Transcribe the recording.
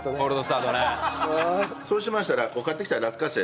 そうしましたら買ってきた落花生ですね。